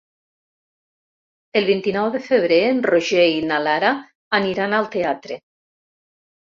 El vint-i-nou de febrer en Roger i na Lara aniran al teatre.